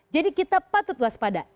jadi kita patut luas pada